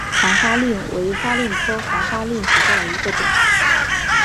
黄花蔺为花蔺科黄花蔺属下的一个种。